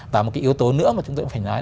và một cái yếu tố nữa mà chúng tôi cũng phải nói